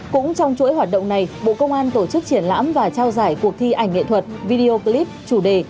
cũng trong chuỗi hoạt động này bộ công an tổ chức triển lãm và trao giải cuộc thi ảnh nghệ thuật video clip chủ đề